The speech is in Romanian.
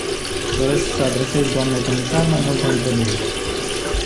Doresc să adresez doamnei comisar mai multe întrebări.